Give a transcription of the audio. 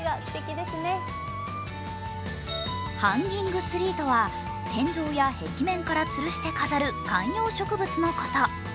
ハンギングツリーとは、天井や壁面からつるして飾る観葉植物のこと。